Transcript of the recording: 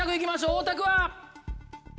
大田区は。